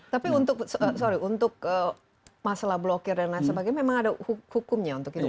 tapi untuk masalah blokir dan lain sebagainya memang ada hukumnya untuk itu